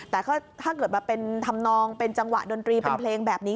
แต่ถ้าเกิดมาเป็นทำนองเป็นจังหวะดนตรีเป็นเพลงแบบนี้